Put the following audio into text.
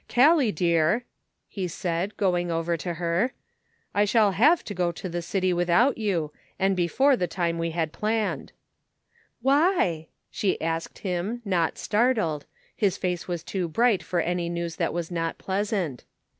" Gallic, dear," he said, going over to her, 384 The Pocket Measure. "T shall have to go to the city without you, and before the time we had planned." " Why ?" she asked him, not startled ; his face was too bright for any news that was not pleasant.